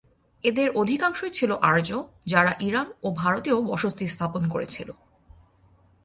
এদের অধিকাংশই ছিল আর্য, যারা ইরান ও ভারতেও বসতি স্থাপন করেছিল।